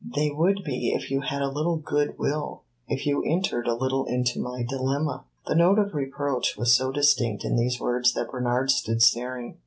"They would be if you had a little good will if you entered a little into my dilemma." The note of reproach was so distinct in these words that Bernard stood staring.